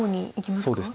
そうですね。